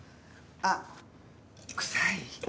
あっくさい？